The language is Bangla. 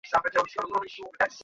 নিজের সাথে ব্যস মিথ্যা বলে যাও।